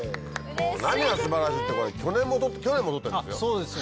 何が素晴らしいってこれ去年も取ってるんですよ。